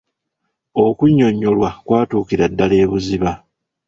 Okunnyonnyolwa kwatuukira ddala ebuziba.